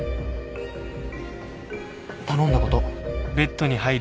頼んだこと。